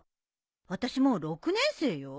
私もう６年生よ。